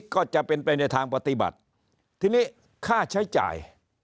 ก็จะเป็นไปในทางปฏิบัติทีนี้ค่าใช้จ่าย